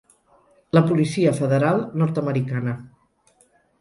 La policia federal nord-americana.